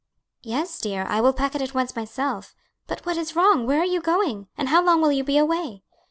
"Yes, dear, I will pack it at once myself. But what is wrong? Where are you going? and how long will you be away?"